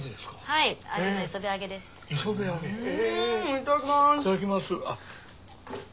いただきます。